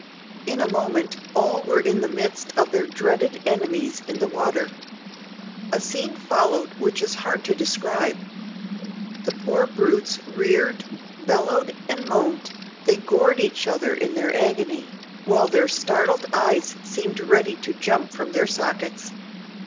In a moment all were in the midst of their dreaded enemies in the water. A scene followed which is hard to describe. The poor brutes reared, bellowed and moaned; they gored each other in their agony, while their startled eyes seemed ready to jump from their sockets.